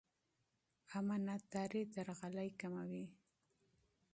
امانتداري درغلي کموي.